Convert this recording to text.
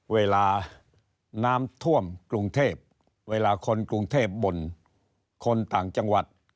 เวลาน้ำท่วมกรุงเทพเวลาคนกรุงเทพบ่นคนต่างจังหวัด